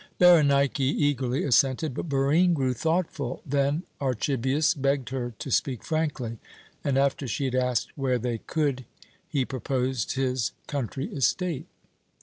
Berenike eagerly assented, but Barine grew thoughtful. Then Archibius begged her to speak frankly, and after she had asked where they could, he proposed his country estate.